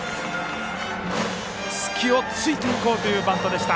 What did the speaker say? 隙を突いていこうというバントでした。